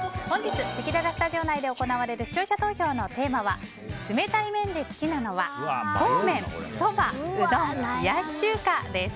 せきららスタジオ内で行われる視聴者投票のテーマは冷たい麺で好きなのはそうめん・そば・うどん・冷やし中華です。